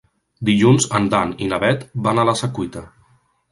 Dilluns en Dan i na Bet van a la Secuita.